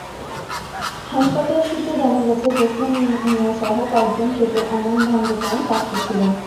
হাসপাতাল সূত্রে জানা গেছে, জোছনা মিয়াসহ কয়েকজন খেতে আমন ধান রোপণের কাজ করছিলেন।